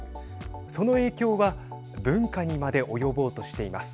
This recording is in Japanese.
その影響は文化にまで及ぼうとしています。